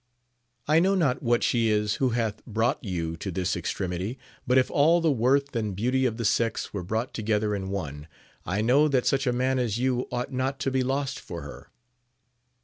I know not what she is who hath brought you to this extremity, but if all the worth and beauty of the sex were brought together in one, I know that such a man as you ought not to be AMADIS OF GAUL. 283 lost for her.